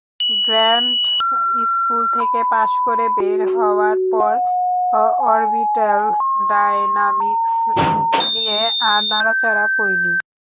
Grad school থেকে পাশ করে বের হওয়ার পর অর্বিট্যাল ডায়নামিক্স নিয়ে আর নাড়াচাড়া করিনি।